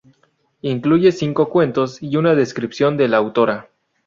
Incluye cinco cuentos y una descripción de la autora.